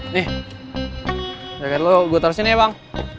nih jaga lu gue taro sini ya bang